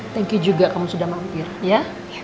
thank you juga kamu sudah mampir ya